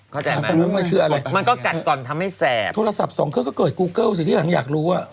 เข้าใจไหมมันคืออะไรมันก็กัดก่อนทำให้แสบโทรศัพท์สองเครื่องก็เกิดกูเกิลสิที่หลังอยากรู้อ่ะ